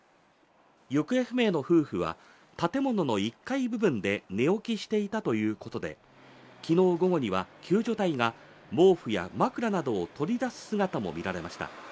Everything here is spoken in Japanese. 行方不明の夫婦は、建物の１階部分で寝起きしていたということで、昨日午後には救助隊が毛布や枕などを取り出す姿も見られました。